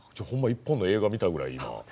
１本の映画見たぐらい今。